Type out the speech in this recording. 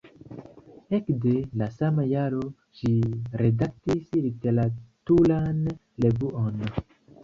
Ekde la sama jaro ŝi redaktis literaturan revuon.